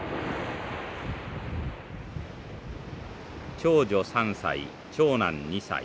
長女３歳長男２歳。